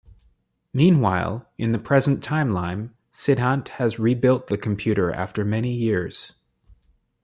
Meanwhile, in the present timeline, Siddhant has rebuilt the computer after many years.